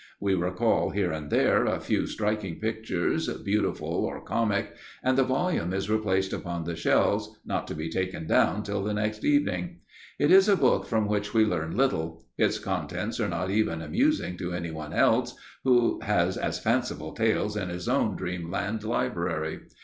We recall, here and there, a few striking pictures, beautiful or comic, and the volume is replaced upon the shelves not to be taken down till the next evening. It is a book from which we learn little; its contents are not even amusing to anyone else, who has as fanciful tales in his own dreamland library.